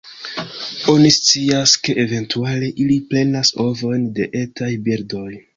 Oni scias, ke eventuale ili prenas ovojn de etaj birdoj.